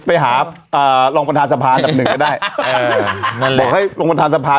ไปหาอ่ารองประทานสะพานักหนึ่งก็ได้เออบอกให้รองประทานสะพา